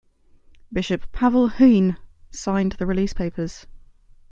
Bishop Pavel Huyn signed the release papers.